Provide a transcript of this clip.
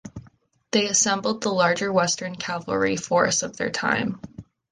They assembled the larger western cavalry force of their time.